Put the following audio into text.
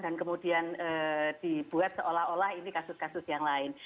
dan kemudian dibuat seolah olah ini kasus kasus yang lain